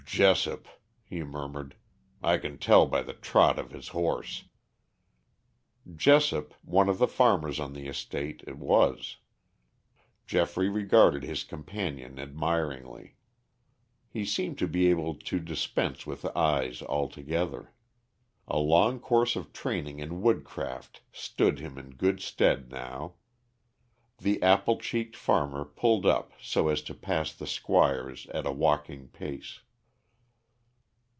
"Jessop," he murmured, "I can tell by the trot of his horse." Jessop, one of the farmers on the estate, it was. Geoffrey regarded his companion admiringly. He seemed to be able to dispense with eyes altogether. A long course of training in woodcraft stood him in good stead now. The apple cheeked farmer pulled up so as to pass the squires at a walking pace.